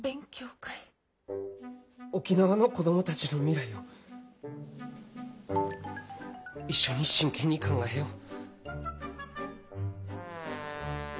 沖縄の子供たちの未来を一緒に真剣に考えよう。